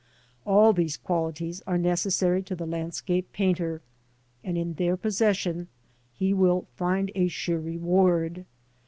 All these qualities are necessary to the landscape painter, and in their possession he will find a sure reward.